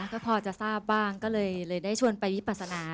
ก็พอจะทราบบ้างก็เลยได้ชวนไปวิปัสนา